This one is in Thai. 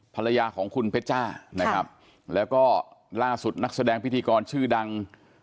ภรรยาของคุณเพชจ้านะครับแล้วก็ล่าสุดนักแสดงพิธีกรชื่อดัง